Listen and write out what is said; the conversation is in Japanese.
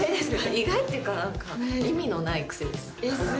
意外っていうか意味のないクセです。